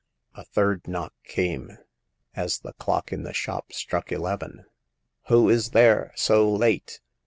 A third knock came, as the clock in the shop struck eleven. "Who is there, so late?"